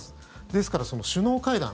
ですから首脳会談